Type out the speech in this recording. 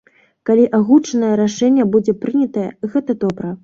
Калі агучанае рашэнне будзе прынятае, гэта добра.